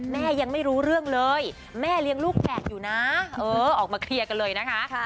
ยังไม่รู้เรื่องเลยแม่เลี้ยงลูกแฝดอยู่นะเออออกมาเคลียร์กันเลยนะคะ